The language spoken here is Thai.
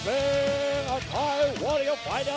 มายินดีกว่า